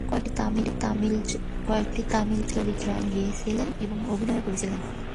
কয়েকটি তামিল চলচ্চিত্রে তিনি গানও গেয়েছিলেন এবং অভিনয়ও করেছিলেন।